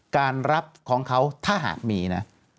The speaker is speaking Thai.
การรับของเขาถ้าหากมีนะ